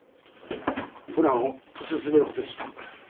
プランを進めることにした。